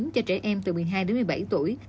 cho trẻ em từ một mươi hai đến một mươi bảy tuổi